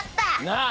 なあ。